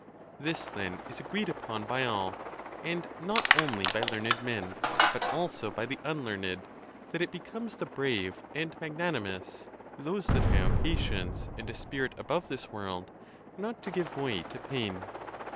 This, then, is agreed upon by all, and not only by learned men, but also by the unlearned, that it becomes the brave and magnanimous—those that have patience and a spirit above this world—not to give way to pain.